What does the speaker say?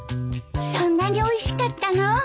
そんなにおいしかったの？